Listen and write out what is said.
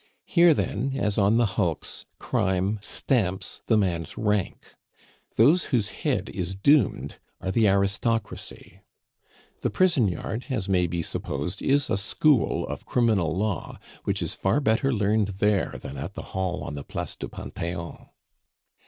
Here, then, as on the hulks, crime stamps the man's rank. Those whose head is doomed are the aristocracy. The prison yard, as may be supposed, is a school of criminal law, which is far better learned there than at the Hall on the Place du Pantheon.